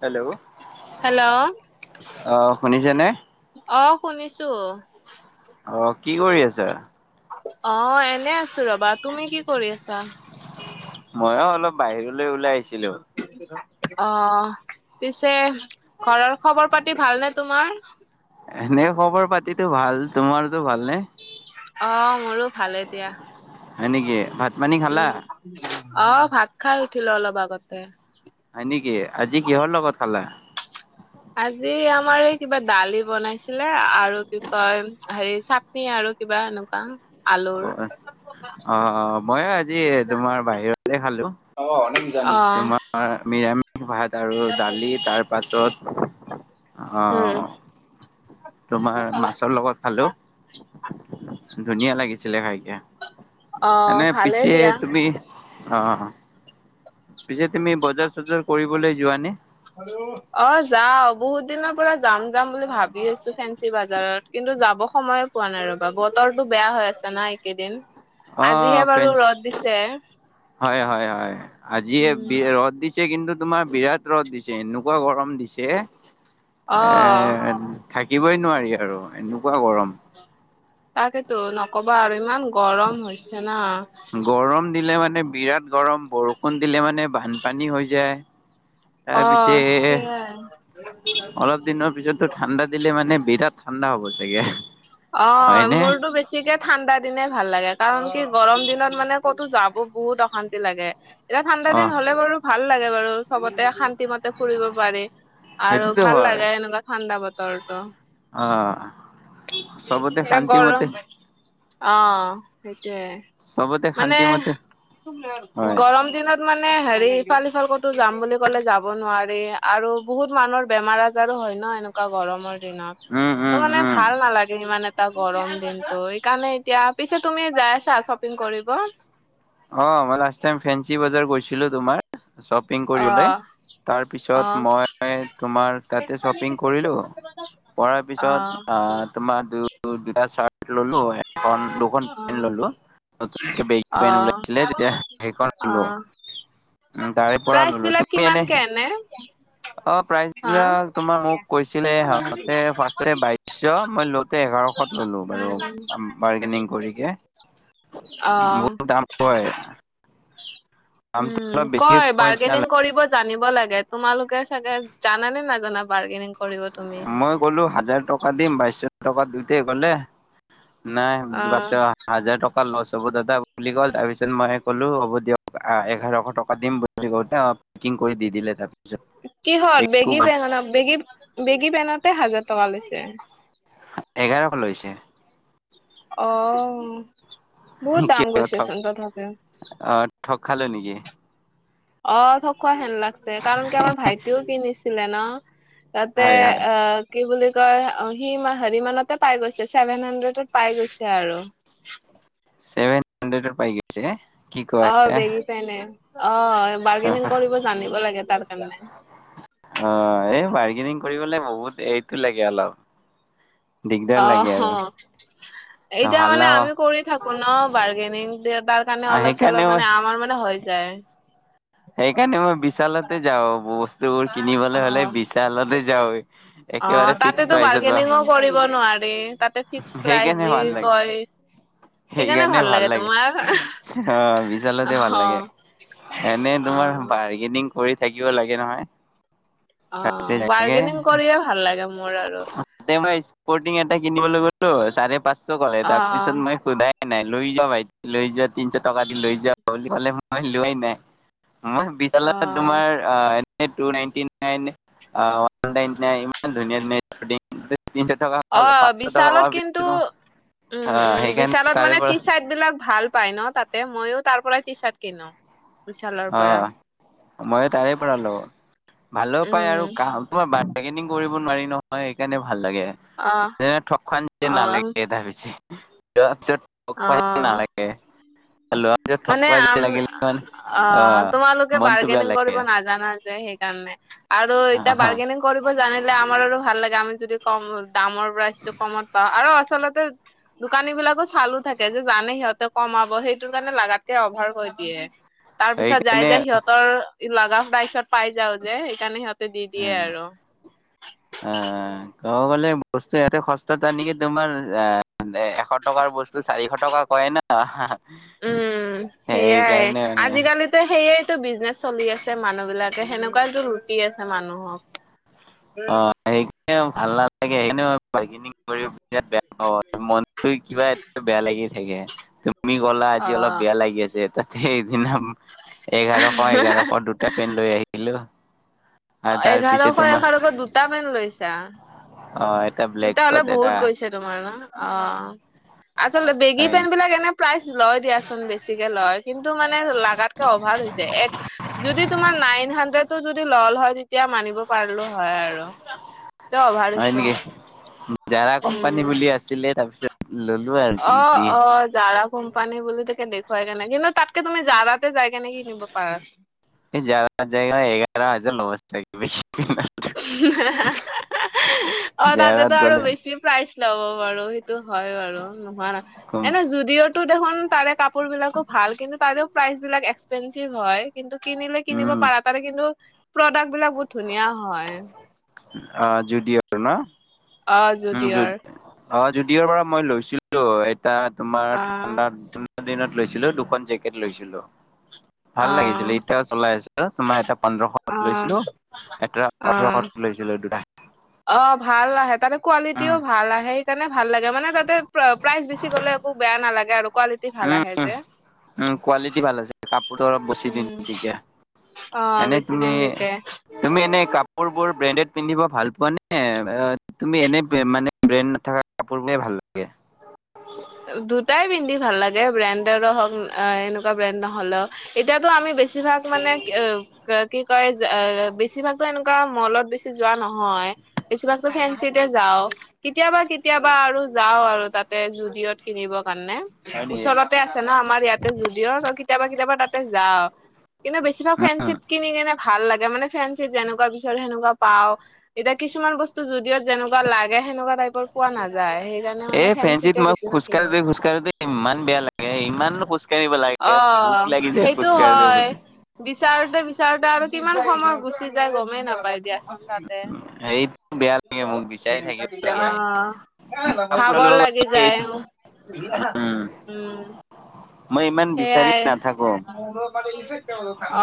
Hello! Hello অহ শুনিছেনে? অ', শুনিছো। অ', কি কৰি আছা? অ', এনে আছো ৰ'বা। তুমি কি কৰি আছা? ময়ো অলপ বাহিৰলৈ ওলাই আহিছিলো। অ', পিছে ঘৰৰ খবৰ-পাতি ভালনে তোমাৰ? এনেই খবৰ-পাতিতো ভাল। তোমাৰতো ভালনে? অ', মোৰো ভালে দিয়া। হয় নেকি? ভাত-পানী খালা? উম অ', ভাত খাই উঠিলো অলপ আগতে। হয় নেকি, আজি কিহৰ লগত খালা? আজি আমাৰ এই কিবা দালি বনাইছিলে আৰু কি কয় হেৰি চা তনি আৰু কিবা এনেকুৱা। আলুৰ অ', অ', অ', ময়ো আজি তোমাৰ বাহিৰলে খালো। অ', অৰ্ণেজ দা! অ'। তোমাৰ নিৰামিষ ভাত আৰু দালি। তাৰ পাছত উম অহ তোমাৰ মাছৰ লগত খালো। ধুনীয়া লাগিছিলে খাইকে। অ এনে ভালে পিছে দিয়া তুমি অ', পিছে তুমি বজাৰ-চজাৰ কৰিবলে যোৱানে? অ', যাওঁ বহুত দিনৰ পৰা যাম যাম বুলি ভাবি আছো ফেঞ্চি বাজাৰত। কিন্তু যাব সময়ে পোৱা নাই ৰ'বা। বতৰটো বেয়া হৈ আছে না এককেইদিন। অ', ফেঞ্চ, হয় হয় হয়। আজি এ উম বি ৰ'দ দিছ দিছে। কিন্তু তোমাৰ বিৰাট ৰ'দ দিছে এনেকুৱা গৰম দিছে। এ অ'। থাকিবই নোৱাৰি আৰু এনেকুৱা গৰম। তাকেতো নক'বা আৰু ইমান গৰম হৈছে না। গৰম দিলে মানে বিৰাট গৰম, বৰষুণ দিলে মানে বানপানী হৈ যে। অ তাৰপিছে, সেইয়াই অলপ দিনৰ পিছতো ঠাণ্ডাত দিলে মানে বিৰাট ঠাণ্ডা হ'ব চাগে। অ', হয়নে? মোৰতো বেছিকে ঠাণ্ডা দিনে ভাল লাগে, কাৰণ কি গৰম দিনত মানে ক'তো যাব বহুত অশান্তি লাগে। এতিয়া ঠাণ্ডা অ', দিন হ'লে বাৰু ভাল লাগে বাৰু। চ'বতে শান্তি মতে ফুৰিব পাৰি। আৰু সেইটোতো ভাল হয় লাগে, এনেকুৱা ঠাণ্ডা বতৰটো। অ'। চবতে এ শান্তিমতে গৰম। অ, সেইটোয়ে। চবতে মানে শান্তিমতে হয়, গৰম দিনত মানে হেৰি ইফাল-সিফাল ক'তো যাম বুলি ক'লে যাব নোৱাৰি, আৰু বহুত মানুহৰ বেমাৰ আজ জাৰো হয় ন', এনেকুৱা গৰমৰ দিনত। উম, উম। ত', মানে উম। ভাল নালাগে ইমান এটা গৰম দিনতটো ইকাৰণে এতিয়া। পিছে তুমি যায় আছা শ্বপিং কৰিব? অ, মই লাষ্ট টাইম ফেঞ্চি বজাৰ গৈছিলো তোমাৰ। চব পিং কৰিলে। অ তাৰপিছত মই তোমাৰ তাতে শ্বপিং কৰিলোঁ। পঢ়াৰ অ পিছত আ তোমাৰ দু দুটা চাৰ্ট ল'লো। এখন দুখন পেন ল'লো। বেগী পেন অ লাইছিলে তেতিয়া সেইখন অ ল'লো। উ, তাৰে পৰা প্ৰাইচ ল'লো বিলাক পেনে কিমানকে এনে অ, প্ৰাইজ হা বিলাক তোমাৰ মোক কৈছিলে অ [unintelligible] ফাৰস্ততে বাইশ। মই ল' এঘাৰশত ল'লো বাৰু বাৰ্গেনিং কৰিকে। উম হয়। উম। বেছি কয়, নিচিনা বাৰ্গেনিং কৰিব জানিব লাগে। তোমালোকে চাগে, জানে নাজানা বাৰ্গেনিং কৰিব তুমি? মই ক'লো হাজাৰ টকা দিম। বাইছশ টকা দুইতে ক'লে- নাই অ বাচা। হাজাৰ টকা লছ হ'ব দাদা বুলি ক'ল। তাৰপিছত মই ক'লো হ'ব দিয়ক এঘাৰশ টকা দিম। [unintelligible] আপ পেকিং কৰি দি দিলে তাতে। কিহত বেগী পেন, বেগী বেগী পেনতে হাজাৰ টকা লৈছে? এঘাৰশ লৈছে। অউম। [unintelligible] ঠগ অ ঠগ খালোঁ নেকি? অ, থগ খোৱা হেন লাগছে। কাৰণ কি আমাৰ ভাইটিও কিনিছিলে ন'। তাতে হয় হয় এ কি বুলি কয় অ, সি হেৰি মানতে পাই গৈছে। ছেভেন হাড্ৰেডত পাই গৈছে আৰু। চেভেন হান্দ্ৰেডড পাই গৈছে কি অ, কয় বেগি পেনে। অ, বাৰ্গেনিং কৰিব জানিব লাগে তাৰ কাৰণে। অ, এই বাৰ্গেনিং কৰিবলৈ বহুত এইটো লাগে অলপ। দিগদাৰ লাগে অহ। আৰু এতিয়া হাল্লা মানে আমি কৰি থাকো ন', বাৰ্গেনিং। দে তাৰ কাৰণে অলপ সেইকাৰণে চলপ মানে আমাৰ মানে হৈ যায়। সেইকাৰনে মই বিশালতে যাওঁ বোষ্ট। তো কিনিবলৈ অ হ'লে বিশালতে যায়। অ একেবাৰে ফিক্স তাতেতো প্ৰাইচত পা। বাৰ্গেনিঙো কৰিব নোৱাৰি, তাতে ফিক্স প্ৰাইচ সেইকাৰণে যি ভাল লাগে কয় সেইকাৰণে ভাল লাগে তোমাৰ। অ, বিচালতে ভাল অ লাগে। এনে তোমাৰ অ বাৰ্গেনিং কৰি থাকিব লাগে নহয়। অ, তাকে বাৰ্গেনিং কৰিয়ে ভাল লাগে মোৰ আৰু। তাতে মই স্পৰ্টিং এটা কিনিবলৈ গ'লো। চাৰে পাঁচশ কৰে, অ তাৰপিছত মই সোধাই নাই লৈ যা ভাইটি লৈ যৱা তিনশ টকা দি লৈ যা বুলি ক'লে মই লোৱাই নাই। মই বিছ অ তোমাৰ এ two ninety nine one ninety nine ইমান ধুনীয়া ধুনীয়া তিন শ টকা অ পাঁচশ বিশালত টকা কিন্তু উম উম সেইকাৰণে বিশালত তাৰে মানে পৰা টি চাৰ্ট বিলাক ভাল পাই ন তাতে মইয়ো তাৰ পৰা টি চাৰ্ট কিনো। বিশালৰ পৰা অ' মইও তাৰে পৰা লওঁ। ভালো পাই উম আৰু কা তোমাৰ বাৰগেনিং কৰিব নোৱাৰি নহয় সেইকাৰণে ভাল লাগে অ যেনে ঠগ খোৱা যে অ নালাগে তাত পিছে। লোৱাৰ পিছত ঠগ খোৱা যেন অ নালাগে লোৱা পিছত ঠগ মানে খোৱা যে আম ন লাগিলে মানে অ' তোমালোকে মনটো বেয়া বাৰ্গেনিং লাগে। কৰিব নাজানা যে সেইকাৰণে আৰু এতিয়া আহ, বাৰৰ্গেনিং কৰিব জানিলে আমাৰো ভাল লাগে আমি যদি কম দামৰ প্ৰাইচটো কমত পাওঁ আৰু আচলতে দোকানী বিলাকো চালো থাকে যে জানে সিহঁতে কমাব সেইটো কাৰণে লাগাতকে অভাৰ কৈ দিয়ে। তাৰ পিছত যাই যাই সেইকাৰণে সিহঁতৰ লাভা প্ৰাইজত পায় যাও যে সেইকাৰণে সিহঁতে দি দিয়ে আৰু। আ ক'ব গ'লে বস্তু ইয়াতে সস্তাত আনি তোমাৰ আ এশ টকাৰ বস্তু চাৰিশ টকা কয় না সেইয়া সেইকাৰণে মানে আজিকালিতো সেইয়াটো বিজনেচ চলি আছে মানুহ বিলাকে, সেনেকুৱাটো লুটি আছে মানুহবিলাকক। অ' সেই ভাল নালাগে সেইকাৰণে বাৰ্গেনিং কৰিও বিৰাত বেয়া পাওঁ মনটো কিবা এ বেয়া লাগি থাকে। তুমি ক'লা আজি অ অলপ বেয়া লাগি আছে তাতে সেইদিনা এঘাৰশ এঘাৰশ দুটা টা পেন লৈ আহিলো। অ' এঘাৰশ এঘাৰশ দুটা পেন লৈছা? হয়। দুটা হলে বহুত গৈছে তোমাৰ ন' অ' আচলতে বেগী হয়, পেণ্ট বিলাক এনে প্ৰাইজ লয় দিয়াচোন বেছিকে লয় কিন্তু মানে লাগাতকে অভাৱ হৈছে এক যদি তোমাৰ নাইন হানড্ৰেড ও যদি ল'লে হয় এতিয়া মানিব পাৰলো হয় আৰু ক অভাৰ হৈছে। জাৰা উম কোম্পানী বুলি আছিলে তাৰ পিছত ললো আৰু অ কিনি। অ জাৰা কোম্পানী বুলি তাকে দেখুৱাই কেনে কিন্তু তাতকে তুমি জাৰাতে যাই কেনে কিনিব পাৰাছোন। এই জাৰাত যায় কিনে এঘাৰ হাজাৰ লয় তাক [inaudible] অ' জাৰাত তাতেতো আৰু গ'লে বেছি প্ৰাইজ ল'ব বাৰু সেইটো হয় বাৰু নহোৱা নাই উম এনে য'দিঅত দেখোন তাৰে কাপোৰ বিলাকো ভাল কিন্তু তাৰেও প্ৰাইচ বিলাক এক্সপেসিভ হয়। কিন্তু কিনিলে কিনিব পাৰা তাৰে কিন্তু প্ৰডাক্ট বিলাক বহুত ধুনীয়া হয়। অ' য'দিঅ ত ন? অ' উম য'দিঅ জু ৰ। অ' য'ডিঅৰ পৰা মই লৈছিলো এতিয়া তোমাৰ অ ঠাণ্ডাত দিনত লৈছিলো দুখন জেকেট লৈছিলো অ ভাল লাগিছিলে এতিয়া চলাই আছো তোমাৰ এটা অ পোন্ধৰশত লৈছিলো এটা অ ওঠৰশত লৈছিলো দুটা। অ' ভাল আহে তাৰে কোৱালিটিও উম ভাল আহে। কাৰণে ভাল লাগে মানে তাতে প্ৰাইচ বেছি গ'লে একো বেয়া নালাগে আৰু কোৱালিটি ভাল উম আহে উম যে উম কোৱালিটি ভাল আছে কাপোৰটো অলপ বেছি দিন উম। টিকে অ' এনে বেছি তুমি দিন টিকে। তুমি এনে কাপোৰ বোৰ ব্ৰেণ্ডেড পিন্ধিব ভাল পোৱা নে তুমি এনে মানে ব্ৰেণ্ডত নথকা কাপোৰ বোৰে ভাল লাগে দুটাই পিন্ধি ভাল লাগে ব্ৰেণ্ডৰো হওঁক এনেকুৱা ব্ৰেণ্ড নহলেও এতিয়াতো আমি বেছি বছিভাগ মানে অ' কি কয় বেছিভাগতো এনেকুৱা মলত বেছি যোৱা নহয়। বেছিভাগতো ফেঞ্চিতে যাও কেতিয়াবা কেতিয়াবা আৰু যাও আৰু তাতে য'দিঅত। কিনিবৰ কাৰণে হয় নেকি? ওচৰতে আছে ন আমাৰ ইয়াতে যদিও ত কেতিয়াবা কেতিয়াবা তাতে যাওঁ। কিন্তু বেছিভাগ ফেঞ্চিত কিনি কিনে ভাল লাগে, মানে ফেঞ্চিত যেনেকোৱা বিচাৰো সেনেকুৱা পাওঁ এতিয়া কিছুমান বস্তু যোদিওত যেনেকুৱা লাগে, সেনেকুৱা টাইপৰ পোৱা নাযায়। সেইকাৰণে মানে ফেঞ্চিতে বেছি ভাল কালবে খোজকাঢ়তে ইমান বেয়া লাগে। ইমাননো খোজ কাৰিব লাগিছে, ভোক অ', লাগি যায় খোজকঢ়োতে খোজ বিচাৰোঁতে বিচাৰোঁতে আৰু কিমান সময় গুচি যায় গমেই নাপায় দিয়াচোন তাতে। এইটো বেয়া লাগে অ', মোক বিচাৰি থাকিব লাগে। কাপোৰ ল'ব ভাগৰ লাগি গ'লে যায়। এইটো উম। উম, মই ইমান বিচাৰি সেয়াএ নাথাকো। অ,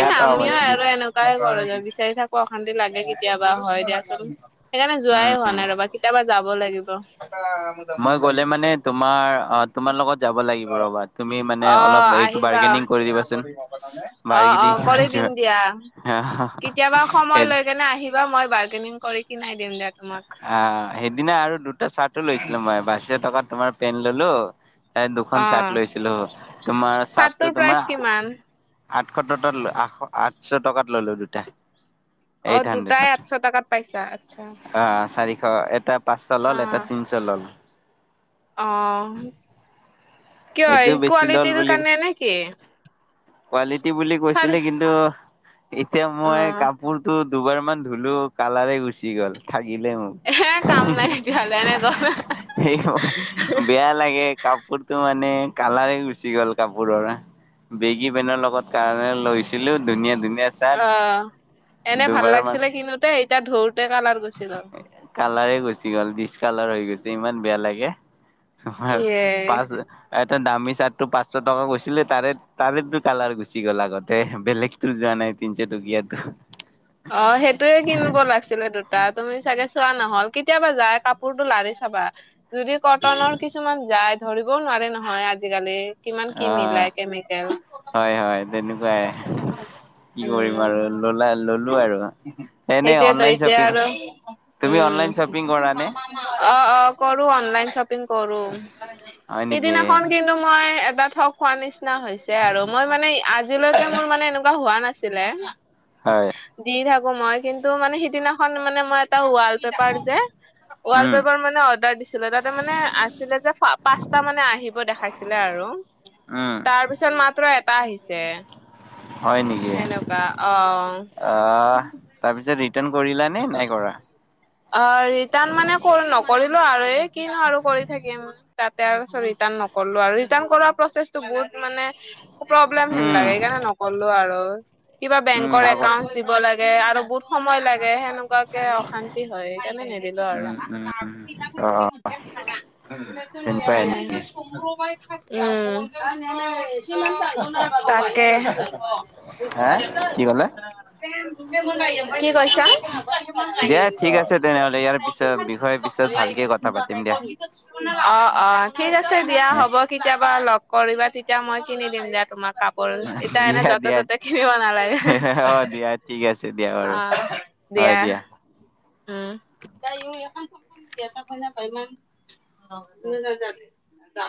এ পাওঁ আমি মই আৰু এনুক কাই কৰোঁ। বিচাৰি থাকোঁ অশান্তি লাগে কেতিয়াবা, হয় দিয়াচোন। সেইকাৰণে যোৱাই উম, হোৱা নাই ৰ'বা। কেতিয়াবা যাব লাগিব। মই গ'লে মানে তোমাৰ অ' তোমাৰ লগত যাব লাগিব ৰ'বা। তুমি মানে অলপ অ' এইটো আহিবা। বাৰ্গেনিং কৰি দিবাচোন। অ', বাৰ্গেনিং অ', কৰি দিম দিবা। দিয়া। কেতিয়াবা সময় লৈ কেনে আহিবা। মই বাৰ্গেনিং কৰি কিনাই দিম দিয়া তোমাক। আ। সেইদিনা আৰু দুটা চাৰ্টো লৈছিলো মই, বাছিশ টকাত তোমাৰ পেণ্ট ল'লো। এ দুখন অ', চাৰ্ট লৈছিলোঁ। তোমাৰ চাৰ্টটোৰ চাৰ্টটো প্ৰাইচ তোমাৰ কিমান? আঠশ টতত ল' আঠশ আঠচ টকাত ল'লো দুটা। এইট অ' দুটাই আঠচ টকাত পাইছা, আচ্ছা। হাআ, চাৰিশ। এটা পাঁচচ ল'ল, অ', এটাত তিনিচ ল'ল। অ'। কিয় এইটো বেছি ল'ল কোৱালিটিৰ বুলি। কাৰণে নেকি? কোৱালিটি বুলি চাৰে কৈছিলে কিন্তু এতিয়া মই অ', কাপোৰতো দুবাৰ মান ধুলোঁ, কালাৰে গুচি গ'ল। থাগিলে মোক। এ কাম নাই তেতিয়াহ'লে এনে গ'ল সেইশ, বেয়া লাগে কাপোৰতো মান নে কালাৰে গুচি গ'ল কাপোৰৰ। বেগী পেনৰ লগত কাৰণে লৈছিলোঁ ধুনীয়া ধুনী অ' এনে ভাল মান লাগিছিলে কিনোতে, এতিয়া ঢওতে কালাৰ গুছি গ'ল। কালাৰে গুচি গ'ল। ডিচ কালাৰ হৈ গৈছে, ইমান বেয়া লাগে। তোমাৰ ইয়ে। পাচ এটা দামী চাৰ্টটো পাঁচশ টকা কৈছিলে, তাৰে তাৰেতো কালাৰ গুচি গ'ল আগতে, বেলেগতো যা নাই তিনচ টকীয়াতো। অ' সেইটোয়ে কিনব লাগ ছিলে দুটা, তুমি চাগে চোৱা নহ'ল। কেতিয়াবা যায় কাপোৰতটো লাৰি চাবা। যদি কটনৰ, কিছুমান যায়। ধৰিবও নোৱাৰে নহয় আজিকালি। কিমান কি অ', মিলাই কেমিকেল হয়, হয়। তেনেকুৱাই। কি কৰিম উম আৰু ললা লল লো আৰু এনে সেইটোয়েতো অনলাইন এতিয়া শ্বপিং, আৰু তুমি উম অনলাইন শ্বপিং কৰা নে? অ' অ', কৰোঁ। অনলাইন শ্বপিং কৰোঁ। হয় নেকি সিদিনাখন কিন্তু মই এটা থক খোৱা নিচিনা হৈছে আৰু। মই মানে, আজিলৈকে মোৰ মানে এনেকুৱা হোৱা নাছিলে। হয়। দি থাকোঁ মই, কিন্তু মানে সিদিনাখন মানে মই এটা ৱাল-পেপাৰ যে উম ৱাল-পেপাৰ মানে অৰ্ডাৰ দিছ ছিলোঁ, তাতে মানে আছিলে যে পাঁচটা মানে আহিব দেখাইছিলে আৰু। উম তাৰ পিছত মাত্ৰ এটা আহিছে। সেনেকুৱা, অ'। অ', তাৰপিছত ৰিটাৰ্ণ কৰিলা নে নাই কৰা? অ, ৰিটাৰ্ণ মানে ক নকৰিলো আৰু এই কিনো আৰু কৰি থাকিম। তাতে আৰু ছ', ৰিটাৰ্ণ নকল্লো আৰু। ৰিটাৰ্ণ কৰা প্ৰছেছটো বহুত মানে প্ৰব্লেম হেন উম লাগে সেইকাৰণে নকল্লো আৰু কিবা উম বেংকৰ আগত একাউন্ দিব লাগে। কে আৰু বহুত সময় লাগে। সেনেকুৱাকে অশান্তি হয়, কেনে নে দিলোঁ আৰু উম উম অ [unintelligible] তেনেকুৱাই নেকি উ, হা কি ক'লে তাকে। [unintelligible] কি কৈছা?? দিয়া অহ। ঠিক আছে তেনেহ'লে ইয়াৰ পিছত বিষয়ে পিছত ভালকে কথা পাতিম দিয়া অহ। ঠিক আছে, দিয়া হ'ব। কেতিয়াবা লগ কৰিবা। তেতিয়া মই কিনি দিম দিয়া তোমাক। কাপোৰ। এতিয়া এনে দিয়া য'তে দিয়া ততে কিনিব নালাগে। অ দিয়া ঠিক আছে দিয়া বাৰু অহ। দিয়া। উম। [unintelligible] [unintelligible]